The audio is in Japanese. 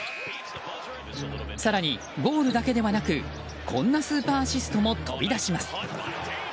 更に、ゴールだけではなくこんなスーパーアシストも飛び出します。